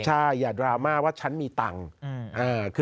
ใช่อย่าดราม่าว่าฉันมีตังค์